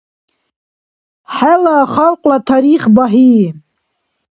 ХӀела халкьла тарих багьи!